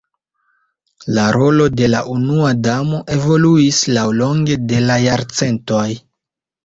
La rolo de la Unua Damo evoluis laŭlonge de la jarcentoj.